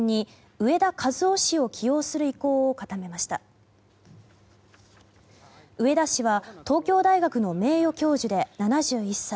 植田氏は東京大学の名誉教授で７１歳。